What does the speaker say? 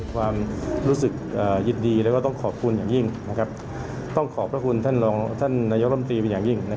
ความรู้สึกยินดีแล้วก็ต้องขอบคุณอย่างยิ่งต้องขอบพระคุณท่านรองท่านนายกรรมตรีเป็นอย่างยิ่ง